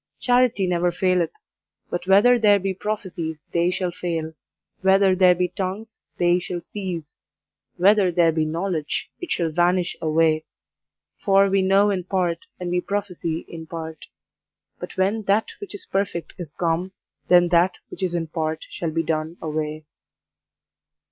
Charity never faileth: but whether there be prophecies, they shall fail; whether there be tongues, they shall cease; whether there be knowledge, it shall vanish away. For we know in part, and we prophesy in part. But when that which is perfect is come, then that which is in part shall be done away.